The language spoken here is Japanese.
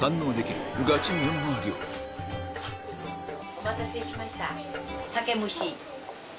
お待たせしました竹蟲。